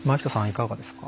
いかがですか？